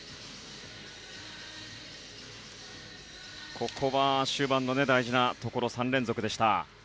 ここは終盤の大事なところ３連続でした。